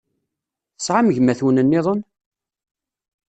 Tesɛam gma-twen-nniḍen?